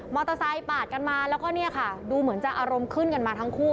เตอร์ไซค์ปาดกันมาแล้วก็เนี่ยค่ะดูเหมือนจะอารมณ์ขึ้นกันมาทั้งคู่